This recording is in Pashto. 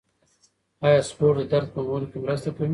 آیا سپورت د درد کمولو کې مرسته کوي؟